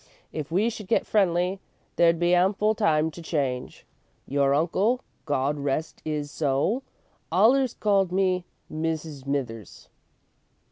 If we should get friendly, there'd be ample time to change. Your uncle, God rest 'is soul, allers called me 'Mis' Smithers.'"